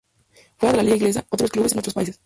Fuera de la liga inglesa, otros clubes en otros países;